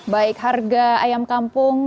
baik harga ayam kampung